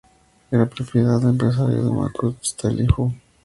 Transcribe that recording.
Era propiedad del empresario de Macau Stanley Ho.